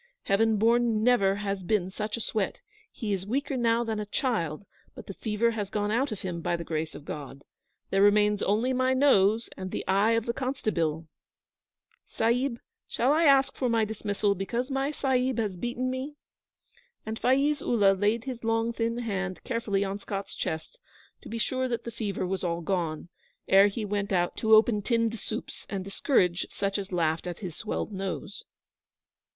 Heaven born, never has been such a sweat! He is weaker now than a child; but the fever has gone out of him, by the grace of God. There remains only my nose and the eye of the constabeel. Sahib, shall I ask for my dismissal because my Sahib has beaten me?' And Faiz Ullah laid his long thin hand carefully on Scott's chest to be sure that the fever was all gone, ere he went out to open tinned soups and discourage such as laughed at his swelled nose.